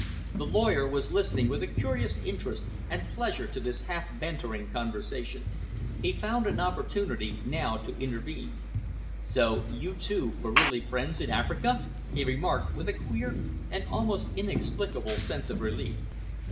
The lawyer was listening with a curious interest and pleasure to this half bantering conversation. He found an opportunity now to intervene. "So you two were really friends in Africa?" he remarked, with a queer and almost inexplicable sense of relief.